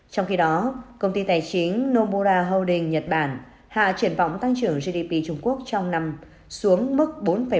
trong khi đó công ty tài chính nobora holding nhật bản hạ triển vọng tăng trưởng gdp trung quốc trong năm xuống mức bốn bảy